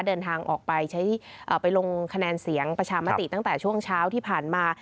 เดินทางออกไปใช้ไปลงคะแนนเสียงประชามติตั้งแต่ช่วงเช้าที่ผ่านมา